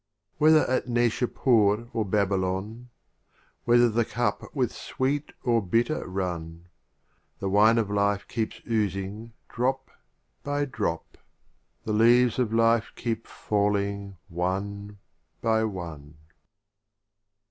VIII. Whether at Naishapur or Baby lon, Whether the Cup with sweet or bitter run, The Wine of Life keeps oozing drop by drop, The Leaves of Life keep falling one by one.